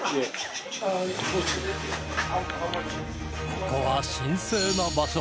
ここは神聖な場所